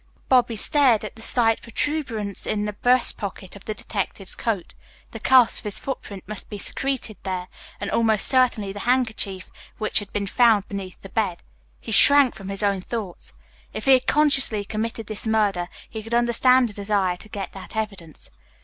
Bobby stared at the slight protuberance in the breast pocket of the detective's coat. The cast of his footprint must be secreted there, and almost certainly the handkerchief which had been found beneath the bed. He shrank from his own thoughts. If he had consciously committed this murder he could understand a desire to get that evidence.